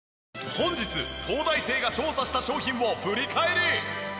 本日東大生が調査した商品を振り返り！